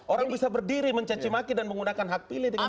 orang bisa berdiri mencancimaki dan menggunakan hak pilih dengan suka suka